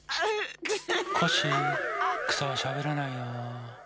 コッシーくさはしゃべらないよ。